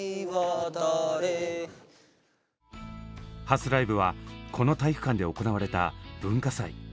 初ライブはこの体育館で行われた文化祭。